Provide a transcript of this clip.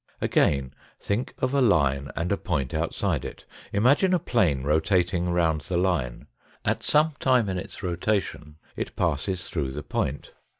Again, think of a line and a point outside it. Imagine a plane rotating round the line. At some time in its rotation it passes through the point.